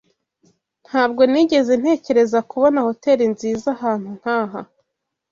Ntabwo nigeze ntekereza kubona hoteri nziza ahantu nkaha.